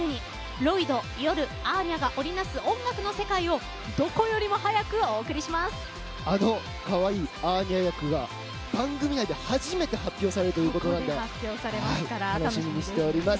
ロイド、ヨルアーニャが織りなす音楽の世界をあのカワイイ、アーニャ役が番組内で初めて発表されるということで楽しみにしております。